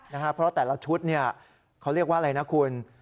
เพราะแต่ละชุดเนี่ยเขาเรียกว่าอะไรนะคุณ